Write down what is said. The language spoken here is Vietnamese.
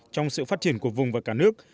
trong sự phát triển của vùng và cả nước